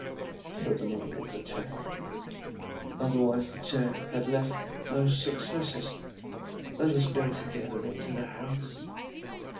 said the mother of the Chan. 'Otherwise the Chan had left no successors. Let us go together into the house.'